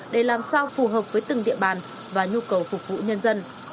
để làm sao phù hợp với từng địa bàn và nhu cầu phục vụ nhân dân